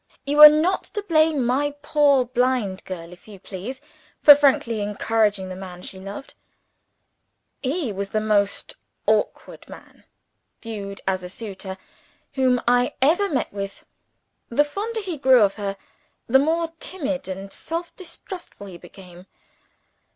You are not to blame my poor blind girl, if you please, for frankly encouraging the man she loved. He was the most backward man viewed as a suitor whom I ever met with. The fonder he grew of her, the more timid and self distrustful he became.